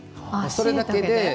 それだけで。